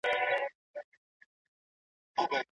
د خلګو د قوت د زیاتولو لپاره، ګډ کار ته اړتیا ده.